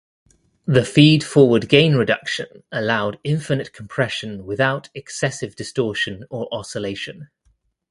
The feed forward gain reduction allowed infinite compression without excessive distortion or oscillation.